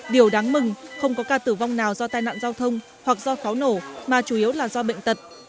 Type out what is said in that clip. điều đáng mừng không có ca tử vong nào do tai nạn giao thông hoặc do pháo nổ mà chủ yếu là do bệnh tật